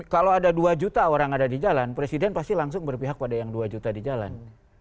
kalau ada dua juta orang ada di jalan presiden pasti langsung berpihak pada yang dua juta di jalan